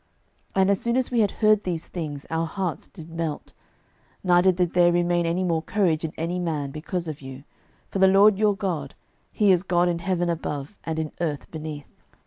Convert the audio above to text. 06:002:011 And as soon as we had heard these things, our hearts did melt, neither did there remain any more courage in any man, because of you: for the LORD your God, he is God in heaven above, and in earth beneath.